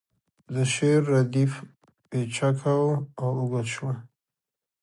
د شعر ردیف پیچکه و او اوږد شو